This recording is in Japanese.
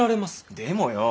でもよぉ。